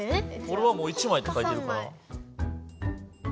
おれはもう１枚って書いてるから。